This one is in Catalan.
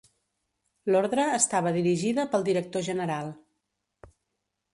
L'Ordre estava dirigida pel Director general.